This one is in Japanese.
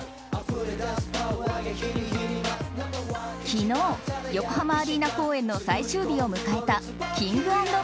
昨日、横浜アリーナ公演の最終日を迎えたＫｉｎｇ＆Ｐｒｉｎｃｅ。